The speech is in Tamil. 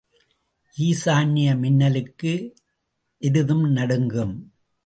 ஈசான்ய மின்னலுக்கு எருதும் நடுங்கும்.